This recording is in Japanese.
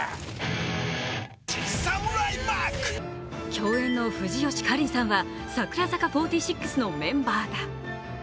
共演の藤吉夏鈴さんは櫻坂４６のメンバーだ。